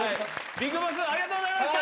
ビッグボス、ありがとうございました。